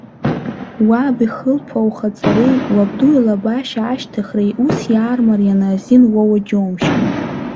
Уаб ихылԥа ухаҵареи уабду илабашьа ашьҭыхреи ус иаармарианы азин уоуа џьумшьан.